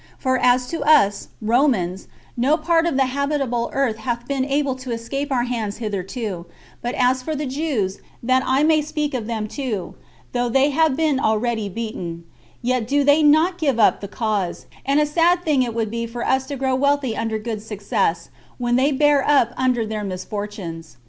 For as to us, Romans, no part of the habitable earth hath been able to escape our hands hitherto; but as for the Jews, that I may speak of them too, though they have been already beaten, yet do they not give up the cause; and a sad thing it would be for us to grow wealthy under good success, when they bear up under their misfortunes.